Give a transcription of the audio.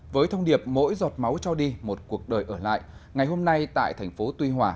với thông điệp mỗi giọt máu cho đi một cuộc đời ở lại ngày hôm nay tại thành phố tuy hòa